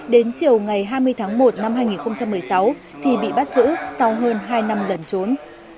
đến chiều ngày hai mươi tháng một năm hai nghìn một mươi sáu thì bị bắt giữ sau hơn hai năm lần trốn